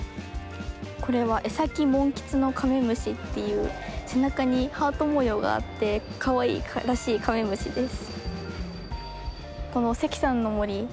これはエサキモンキツノカメムシっていう背中にハート模様があってかわいらしいカメムシです。